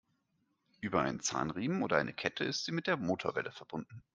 Über einen Zahnriemen oder eine Kette ist sie mit der Motorwelle verbunden.